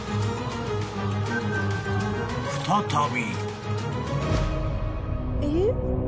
［再び］